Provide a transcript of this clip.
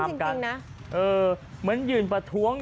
นิ่งจริงนะเออเหมือนยืนประท้วง